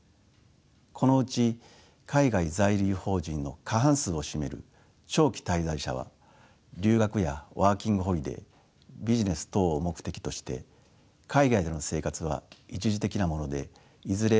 このうち海外在留邦人の過半数を占める長期滞在者は留学やワーキングホリデービジネス等を目的として海外での生活は一時的なものでいずれ